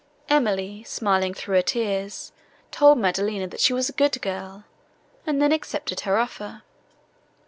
Emily, smiling through her tears, told Maddelina, that she was a good girl, and then accepted her offering.